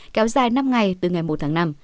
kéo dài năm ngày từ ngày một tháng năm